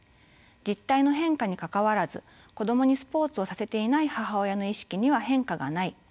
実態の変化にかかわらず子どもにスポーツをさせていない母親の意識には変化がない